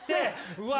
うわ！